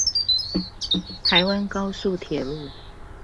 台灣高速鐵路